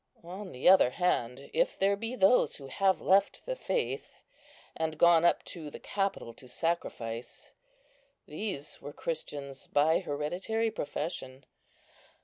On the other hand, if there be those who have left the faith, and gone up to the capitol to sacrifice, these were Christians by hereditary profession.